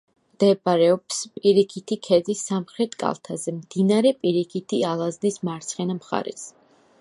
მდებარეობს პირიქითი ქედის სამხრეთ კალთაზე, მდინარე პირიქითი ალაზნის მარცხენა მხარეს.